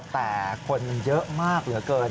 แต่คนเยอะมากเหลือเกิน